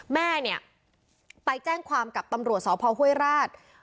แม่เนี่ยไปแจ้งความกับตำรวจสพห้วยราช